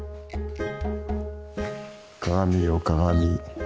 鏡よ鏡